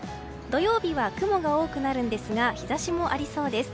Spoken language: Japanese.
土曜日は雲が多くなるんですが日差しもありそうです。